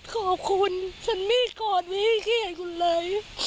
ขอบคุณฉันไม่กลัวไว้ให้เครียดคุณเลย